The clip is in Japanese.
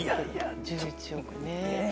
１１億ね。